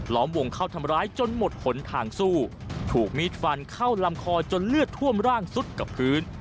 มวงเข้าทำร้ายจนหมดผลทางสู้ถูกมีดฟันเข้าลำคอจนเลือดท่วมร่างสุดกับพื้น